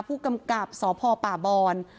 ผู้กำกับสพป่าบอน